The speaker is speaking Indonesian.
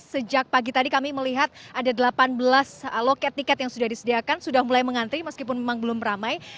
sejak pagi tadi kami melihat ada delapan belas loket tiket yang sudah disediakan sudah mulai mengantri meskipun memang belum ramai